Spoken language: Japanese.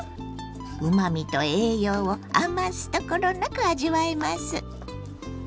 うまみと栄養を余すところなく味わえます。